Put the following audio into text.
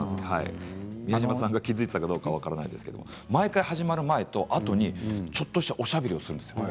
宮島さんが気付いていたかどうか分かりませんけれど毎回始まる前と終わったときにちょっとしたおしゃべりをするんです。